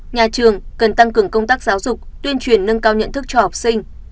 nhà trường cần tăng cường công tác giáo dục tuyên truyền nâng cao nhận thức cho học sinh